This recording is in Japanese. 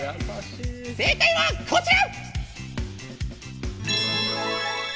正解はこちら！